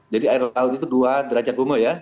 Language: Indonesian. jadi air laut itu dua derajat bome ya